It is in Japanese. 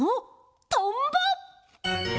トンボ！